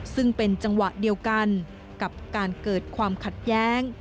ซึ่งเป็นจังหวะเดียวกันกับการเกิดความขัดแย้ง